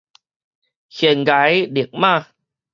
懸崖勒馬